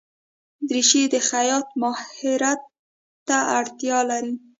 دریشي د خیاط ماهرت ته اړتیا لري.